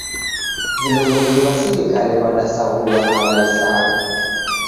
Vilongozi wa sirikali w'adasaghulwa na w'aisanga